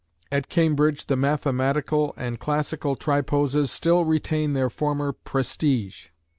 At Cambridge the mathematical and classical triposes still retain their former prestige.